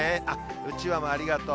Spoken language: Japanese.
うちわもありがとう。